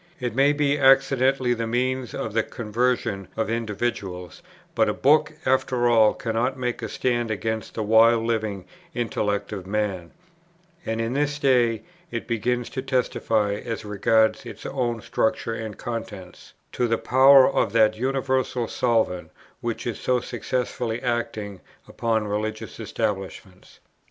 It may be accidentally the means of the conversion of individuals; but a book, after all, cannot make a stand against the wild living intellect of man, and in this day it begins to testify, as regards its own structure and contents, to the power of that universal solvent, which is so successfully acting upon religious establishments.